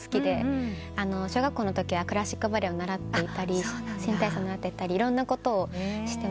小学校のときはクラシックバレエを習っていたり新体操習っていたりいろんなことをしてました。